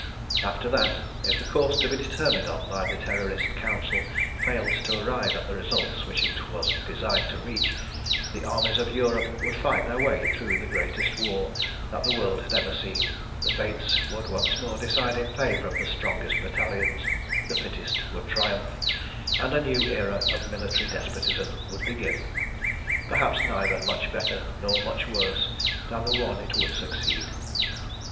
After that, if the course to be determined on by the Terrorist Council failed to arrive at the results which it was designed to reach, the armies of Europe would fight their way through the greatest war that the world had ever seen, the Fates would once more decide in favour of the strongest battalions, the fittest would triumph, and a new era of military despotism would begin perhaps neither much better nor much worse than the one it would succeed.